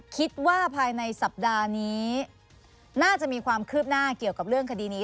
คิดว่าภายในสัปดาห์นี้น่าจะมีความคืบหน้าเกี่ยวกับเรื่องคดีนี้